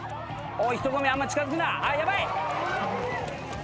人混みあんま近づくなヤバい！